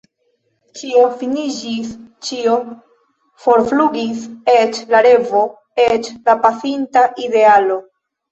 Ĉio finiĝis, ĉio forflugis, eĉ la revo, eĉ la pasinta idealo.